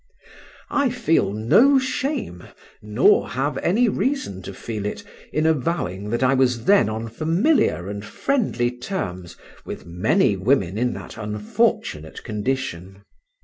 I feel no shame, nor have any reason to feel it, in avowing that I was then on familiar and friendly terms with many women in that unfortunate condition.